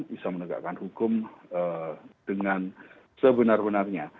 bisa menegakkan hukum dengan sebenar benarnya